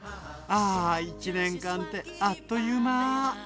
ああ１年間ってあっという間。